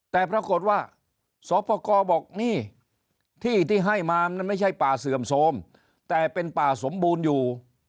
แต่ปรากฏว่าสปกรบอกนี่ที่ที่ให้มามันไม่ใช่ป่าเสื่อมโทรมแต่เป็นป่าสมบูรณ์อยู่